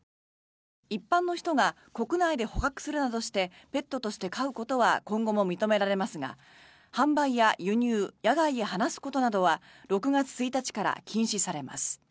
一般の人が国内で捕獲するなどしてペットとして飼うことは今後も認められますが販売や輸入野外へ放すことなどは６月１日から禁止されます。